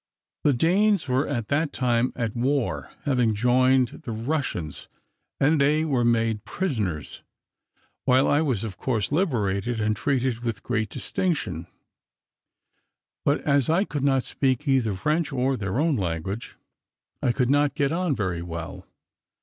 The Danes were at that time at war, having joined the Russians; and they were made prisoners, while I was of course liberated, and treated with great distinction; but as I could not speak either French or their own language, I could not get on very well.